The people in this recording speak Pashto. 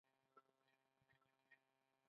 پیرودونکی د وفادارۍ احساس غواړي.